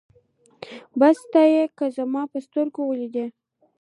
بس ته يې که زما په سترګو وليدې